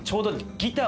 ギター！